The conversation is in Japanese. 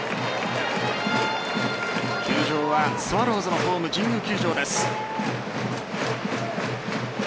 球場はスワローズのホーム神宮球場です。